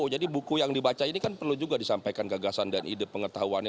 jadi buku yang dibaca ini kan perlu juga disampaikan kegasan dan ide pengetahuannya